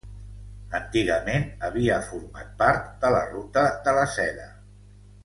Antigament havia format part de la ruta de la Seda.